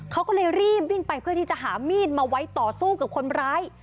เขาก็เลยรีบวิ่งไปเพื่อที่จะหามีดมาไว้ต่อสู้กับคนร้าย